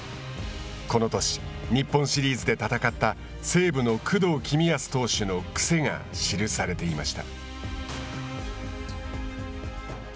この年、日本シリーズで戦った西武の工藤公康投手の癖が記されていました。